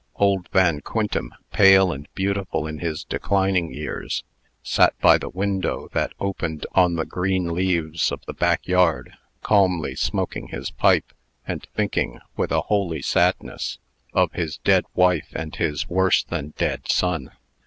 Old Van Quintem, pale and beautiful in his declining years, sat by the window that opened on the green leaves of the back yard, calmly smoking his pipe, and thinking, with a holy sadness, of his dead wife and his worse than dead son.